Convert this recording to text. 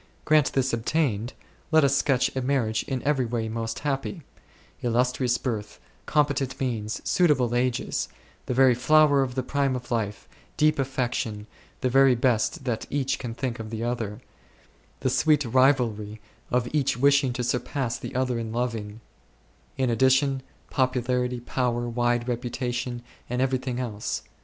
Grant this ob tained ; let us sketch a marriage in every way most happy ; illustrious birth, competent means, suitable ages, the very flower of the prime of life, deep affection, the very best that each can think of the other \ that sweet rivalry of each wishing to surpass the other in loving ; in addition, popularity, power, wide reputation, and everything else.